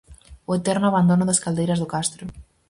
O eterno abandono das caldeiras do Castro.